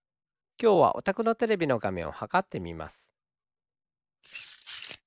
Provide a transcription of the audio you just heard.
きょうはおたくのテレビのがめんをはかってみます。